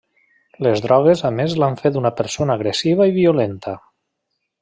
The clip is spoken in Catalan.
Les drogues a més l'han fet una persona agressiva i violenta.